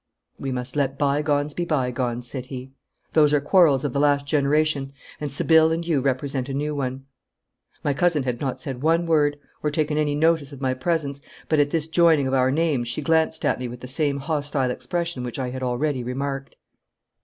'We must let bygones be bygones,' said he. 'Those are quarrels of the last generation, and Sibylle and you represent a new one.' My cousin had not said one word or taken any notice of my presence, but at this joining of our names she glanced at me with the same hostile expression which I had already remarked.